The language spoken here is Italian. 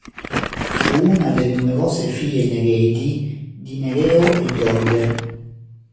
Fu una delle numerose figlie Nereidi di Nereo e Doride.